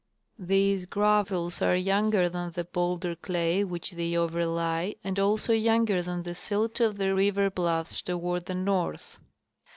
These gravels are younger than the bowlder clay which . they overlie and also younger than the silt of the river bluffs to ward the north.